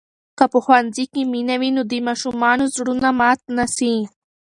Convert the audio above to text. که په ښوونځي کې مینه وي، نو د ماشومانو زړونه مات نه سي.